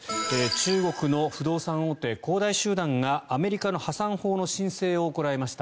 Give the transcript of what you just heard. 中国の不動産大手、恒大集団がアメリカの破産法の申請を行いました。